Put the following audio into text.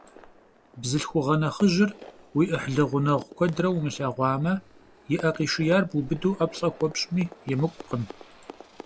Бзылъхугъэ нэхъыжьыр уи ӏыхьлы гъунэгъу куэдрэ умылъэгъуамэ, и ӏэ къишияр бубыду ӏэплӏэ хуэпщӏми емыкӏукъым.